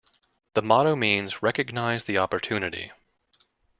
The motto means Recognize the opportunity.